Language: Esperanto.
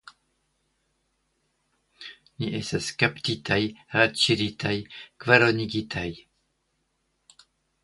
Ni estas kaptitaj, radŝiritaj, kvaronigitaj!